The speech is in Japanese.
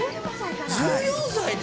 １４歳で。